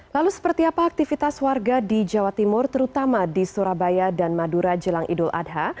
lalu seperti apa aktivitas warga di jawa timur terutama di surabaya dan madura jelang idul adha